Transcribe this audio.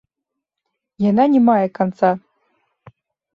Яна не мае канца.